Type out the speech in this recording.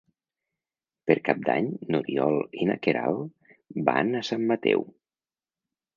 Per Cap d'Any n'Oriol i na Queralt van a Sant Mateu.